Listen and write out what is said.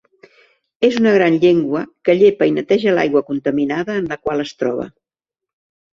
És una gran llengua que llepa i neteja l’aigua contaminada en la qual es troba.